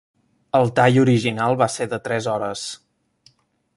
El tall original va ser de tres hores.